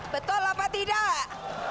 betul apa tidak